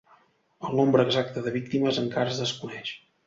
El nombre exacte de víctimes encara es desconeix.